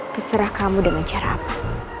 terserah kamu dengan cara apa